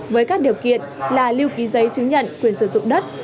với các điều kiện là lưu ký giấy chứng nhận quyền sử dụng đất